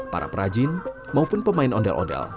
para perajin maupun pemain ondel ondel